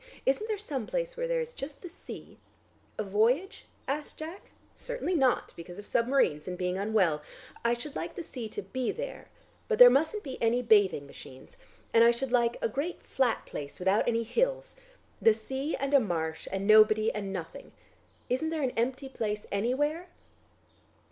Isn't there some place where there is just the sea " "A voyage?" asked Jack. "Certainly not; because of submarines and being unwell. I should like the sea to be there, but there mustn't be any bathing machines, and I should like a great flat place without any hills. The sea and a marsh, and nobody and nothing. Isn't there an empty place anywhere?"